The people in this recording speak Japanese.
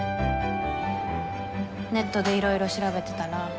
ネットでいろいろ調べてたら。